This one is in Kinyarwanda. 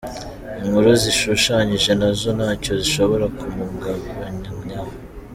Inkuru zishushanyije nazo ntacyo zishobora kumpungabanyaho.